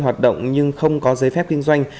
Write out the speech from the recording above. hoạt động nhưng không có giấy phép kinh doanh